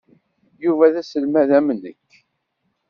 Yuba d aselmad am nekk.